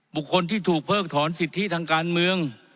บุคคลที่ถูกเพิกถอนสิทธิทางการเมือง